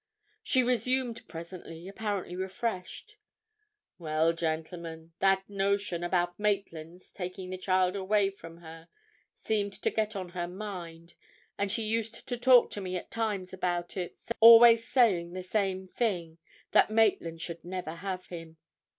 She resumed, presently, apparently refreshed. "Well, gentlemen, that notion, about Maitland's taking the child away from her seemed to get on her mind, and she used to talk to me at times about it, always saying the same thing—that Maitland should never have him.